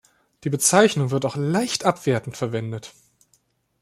Die Bezeichnung wird auch leicht abwertend verwendet.